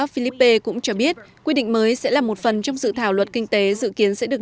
philippe cũng cho biết quy định mới sẽ là một phần trong dự thảo luật kinh tế dự kiến sẽ được